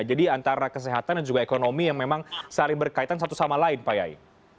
jadi antara kesehatan dan juga ekonomi yang memang saling berkaitan satu sama lain pak yayi